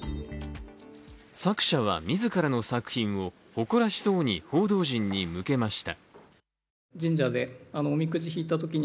作者は、自らの作品を誇らしそうに報道陣に向けました。